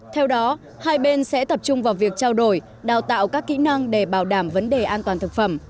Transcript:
theo đó hai bên sẽ tập trung vào việc trao đổi đào tạo các kỹ năng để bảo đảm vấn đề an toàn thực phẩm